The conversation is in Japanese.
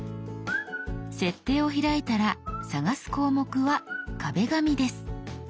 「設定」を開いたら探す項目は「壁紙」です。